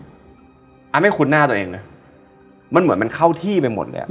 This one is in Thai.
อเจมส์อ้าวไม่คุ้นหน้าตัวเองมันเหมือนมันเข้าที่ไปหมดเลย